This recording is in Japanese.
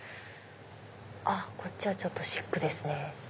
あっこっちはちょっとシックですね。